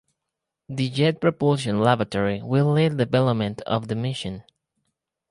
The Jet Propulsion Laboratory will lead development of the mission.